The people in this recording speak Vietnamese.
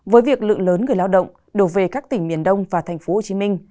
với việc lượng lớn người lao động đột về các tỉnh miền đông và tp hcm